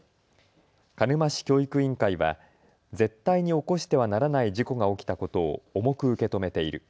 鹿沼市教育委員会は絶対に起こしてはならない事故が起きたことを重く受け止めている。